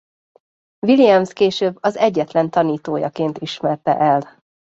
Williams később az egyetlen tanítójaként ismerte el.